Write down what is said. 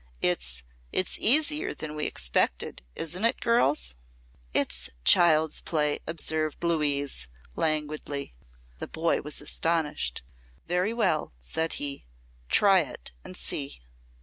It's it's easier than we expected. Isn't it, girls?" "It's child's play," observed Louise, languidly. The boy was astonished. "Very well," said he. "Try it and see."